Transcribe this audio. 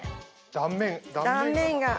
断面が。